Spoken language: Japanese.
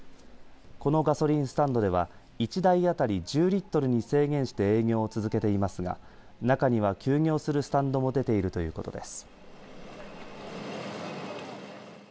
このガソリンスタンドでは１台当たり１０リットルに制限して営業を続けていますが、中には休業するスタンドも出ているということです。